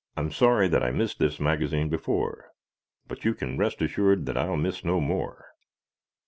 I'm sorry that I missed this magazine before, but you can rest assured that I'll miss no more.